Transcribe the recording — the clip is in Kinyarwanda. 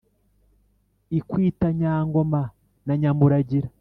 ikwita nyangoma na nyamuragira